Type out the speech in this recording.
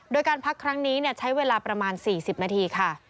โดยการพักครั้งนี้เนี่ยใช้เวลาประมาณสี่สิบนาทีค่ะ